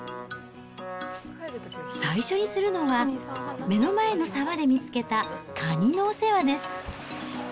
最初にするのは、目の前の沢で見つけたカニのお世話です。